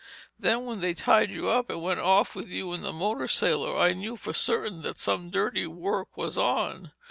Then when they tied you up and went off with you in the motor sailor, I knew for certain that some dirty work was on.